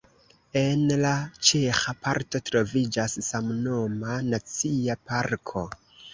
En la ĉeĥa parto troviĝas samnoma nacia parko.